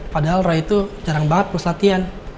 padahal roy itu jarang banget plus latihan